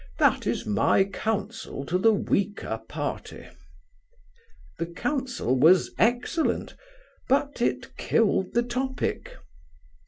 That is my counsel to the weaker party." The counsel was excellent, but it killed the topic.